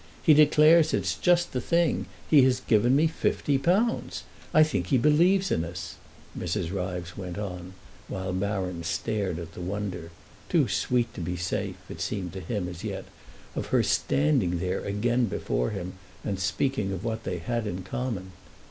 He declares it's just the thing. He has given me fifty pounds. I think he believes in us," Mrs. Ryves went on, while Baron stared at the wonder—too sweet to be safe, it seemed to him as yet—of her standing there again before him and speaking of what they had in common.